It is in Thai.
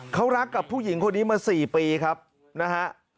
เขารักกับผู้หญิงคนนี้มา๔ปีครับนะฮะ